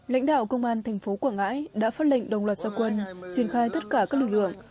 lãnh đạo công an thành phố quảng ngãi đã phát lệnh đồng loạt gia quân triển khai tất cả các lực lượng